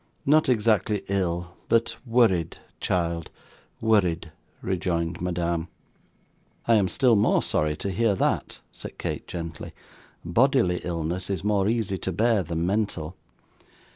'Not exactly ill, but worried, child worried,' rejoined Madame. 'I am still more sorry to hear that,' said Kate, gently. 'Bodily illness is more easy to bear than mental.